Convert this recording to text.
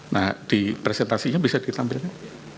nah di presentasinya bisa ditampilkan